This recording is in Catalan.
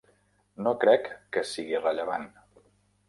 No crec que sigui rellevant.